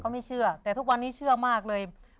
ไม่เชื่อแต่ทุกวันนี้เชื่อมากเลย